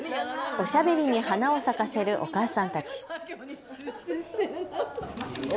おしゃべりに花を咲かせるお母さんたち。